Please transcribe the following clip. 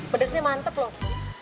pedesnya mantep loh